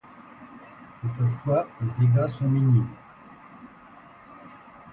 Toutefois les dégâts sont minimes.